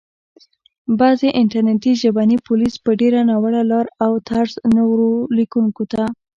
بعضي انټرنټي ژبني پوليس په ډېره ناوړه لاره او طرز نورو ليکونکو ته